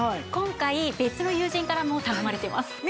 今回別の友人からも頼まれてます。